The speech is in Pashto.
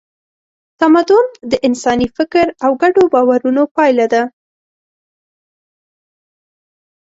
تمدن د انساني فکر او ګډو باورونو پایله ده.